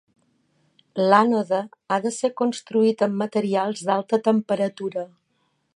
L'ànode ha de ser construït amb materials d'alta temperatura.